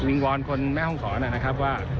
วอนคนแม่ห้องศรนะครับว่า